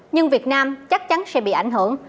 nhưng việt nam chắc chắn sẽ bị ảnh hưởng